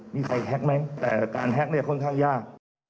มีใครแฮ็กไหมแต่การแฮ็กเนี่ยค่อนข้างยาก